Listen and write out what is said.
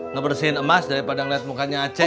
ngebersihin emas daripada ngeliat mukanya aceh